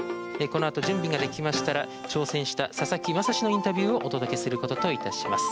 このあと準備ができましたら挑戦した佐々木真志のインタビューをお届けすることといたします。